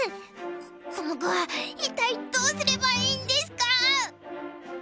ココモクは一体どうすればいいんですか！？